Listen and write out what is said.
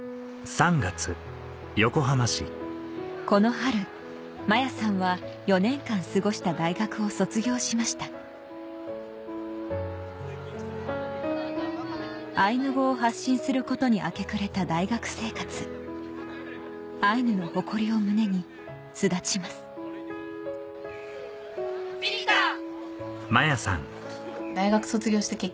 この春摩耶さんは４年間過ごした大学を卒業しましたアイヌ語を発信することに明け暮れた大学生活アイヌの誇りを胸に巣立ちますピカ！